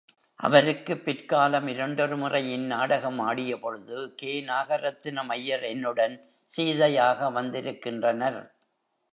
அவருக்குப் பிற்காலம் இரண்டொரு முறை இந்நாடகம் ஆடியபொழுது கே. நாக ரத்தினம் ஐயர் என்னுடன் சீதையாக வந்திருக்கின்றனர்.